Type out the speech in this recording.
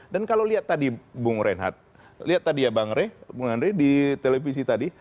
dan kalau lihat tadi bung renhardt lihat tadi ya bang andre di televisi tadi